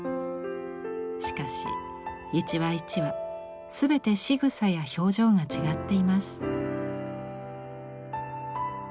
しかし一羽一羽全てしぐさや表情が違っています。